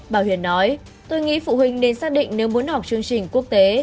bảo huyền nói tôi nghĩ phụ huynh nên xác định nếu muốn học chương trình quốc tế